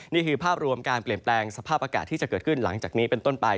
นี่คือภาพรวมการเปลี่ยนแปลงสภาพอากาศที่จะเกิดขึ้นหลังจากนี้เป็นต้นไป